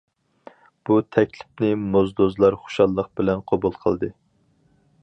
بۇ تەكلىپنى موزدۇزلار خۇشاللىق بىلەن قوبۇل قىلدى.